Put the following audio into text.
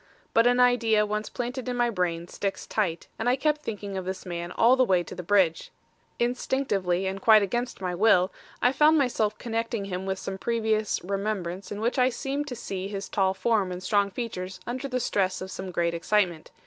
But an idea once planted in my brain sticks tight, and I kept thinking of this man all the way to the Bridge. Instinctively and quite against my will, I found myself connecting him with some previous remembrance in which I seemed to see his tall form and strong features under the stress of some great excitement.